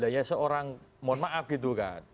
karena itu kelihatan